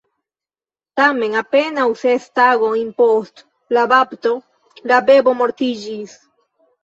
Tamen, apenaŭ ses tagojn post la bapto, la bebo mortiĝis.